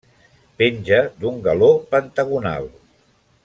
Penja d'un galó pentagonal.